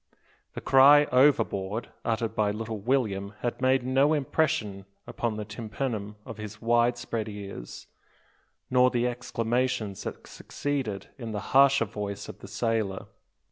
The cry "Overboard!" uttered by little William had made no impression upon the tympanum of his wide spread ears, nor the exclamations that succeeded in the harsher voice of the sailor.